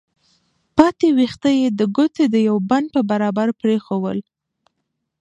پاتې ويښته يې د ګوتې د يوه بند په برابر پرېښوول.